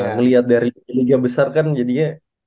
melihat dari liga besar kan jadinya